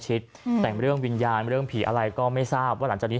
แต่งเรื่องวิญญาณเรื่องผีอะไรก็ไม่ทราบว่าหลังจากนี้